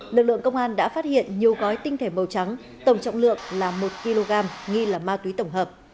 lực lượng công an đã phát hiện nhiều gói tinh thể màu trắng tổng trọng lượng là một kg nghi là ma túy tổng hợp